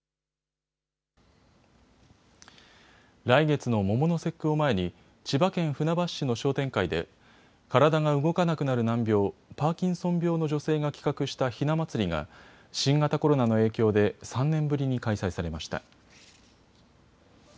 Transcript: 来月の桃の節句を前に千葉県船橋市の商店会で体が動かなくなる難病、パーキンソン病の女性が企画したひな祭りが新型コロナの影響で３年ぶりに開催されました。